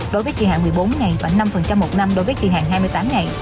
đối với kỳ hạn một mươi bốn và năm một năm đối với kỳ hạn hai mươi tám ngày